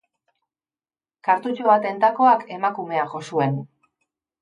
Kartutxo baten takoak emakumea jo zuen.